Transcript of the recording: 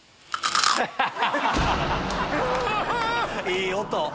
いい音。